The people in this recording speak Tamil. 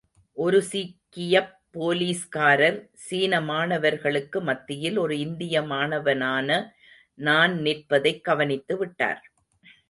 ஒரு சீக்கியப் போலீஸ்காரர், சீன மாணவர்களுக்கு மத்தியில் ஒரு இந்திய மாணவனான நான் நிற்பதைக் கவனித்து விட்டார்.